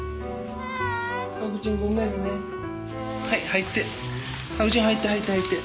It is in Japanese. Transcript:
はい入って。